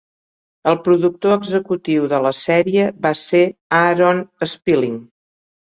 El productor executiu de la sèrie va ser Aaron Spelling.